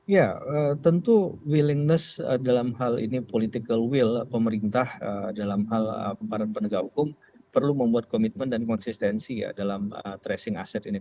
ya tentu willingness dalam hal ini political will pemerintah dalam hal parah penegak hukum perlu membuat komitmen dan konsistensi ya dalam tracing aset ini